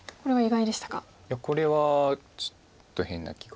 いやこれはちょっと変な気が。